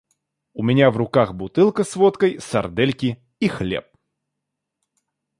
У меня в руках бутылка с водкой, сардельки и хлеб.